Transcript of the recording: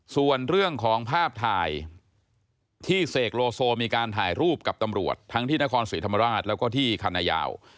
ส่วนเรื่องของภาพถ่ายที่เสกโลโซมีการถ่ายรูปกับตำรวจทั้งที่นครศรีธรรมราชแล้วก็ที่คณะยาว